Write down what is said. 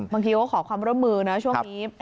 บางทีก็ขอความร่วมมือนะช่วงนี้